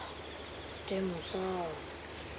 でもさ。